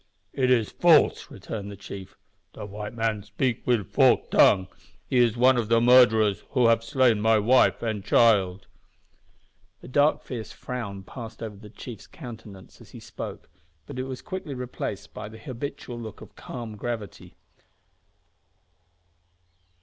"It is false," returned the chief. "The white man speaks with a forked tongue. He is one of the murderers who have slain my wife and my child." A dark fierce frown passed over the chief's countenance as he spoke, but it was quickly replaced by the habitual look of calm gravity.